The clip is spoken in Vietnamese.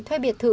thuê biệt thự